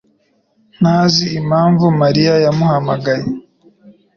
ntazi impamvu Mariya yamuhamagaye.